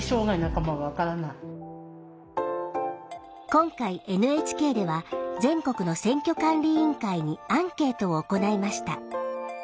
今回ＮＨＫでは全国の選挙管理委員会にアンケートを行いました。